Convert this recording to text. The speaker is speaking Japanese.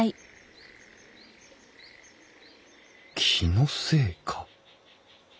気のせいか。